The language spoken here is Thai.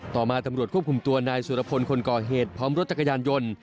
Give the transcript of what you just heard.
ต่อมาตำรวจควบคุมตัวนายสุรพลคนก่อเหตุพร้อมรถจักรยานยนต์